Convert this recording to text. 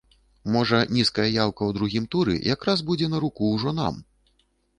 Можа, нізкая яўка ў другім туры якраз будзе на руку ўжо нам.